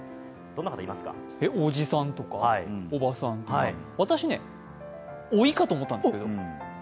おじさんとか、おばさんとか私、「おい」かと思ったんですけれども。